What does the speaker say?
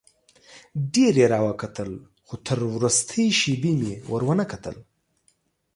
ډېر یې راوکتل خو تر وروستۍ شېبې مې ور ونه کتل.